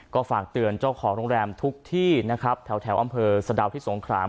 ก็ฝากเตือนเจ้าของโรงแรมทุกที่นะครับแถวอำเภอสะดาวที่สงคราม